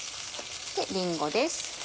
りんごです。